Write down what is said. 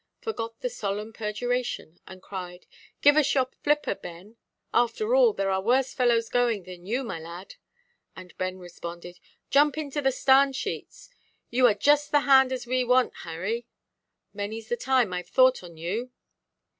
—forgot the solemn perjuration, and cried, "Give us your flipper, Ben; after all, there are worse fellows going than you, my lad:" and Ben responded, "Jump into the starn–sheets; you are just the hand as we want, Harry. Manyʼs the time Iʼve thought on you."